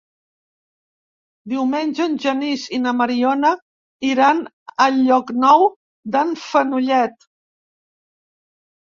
Diumenge en Genís i na Mariona iran a Llocnou d'en Fenollet.